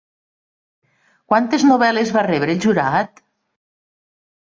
Quantes novel·les va rebre el jurat?